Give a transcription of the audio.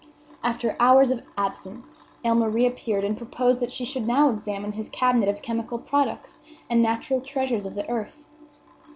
After hours of absence, Aylmer reappeared and proposed that she should now examine his cabinet of chemical products and natural treasures of the earth.